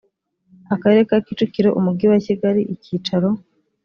akarere ka kicukiro umujyi wa kigali icyicaro